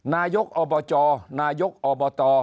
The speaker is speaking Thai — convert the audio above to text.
นายกอบจนายกอบต